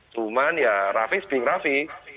cuman ya raffi speaking raffi